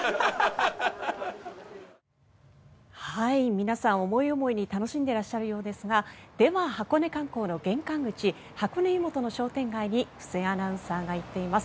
皆さん、思い思いに楽しんでいらっしゃるようですがでは箱根観光の玄関口箱根湯本の商店街に布施アナウンサーが行っています。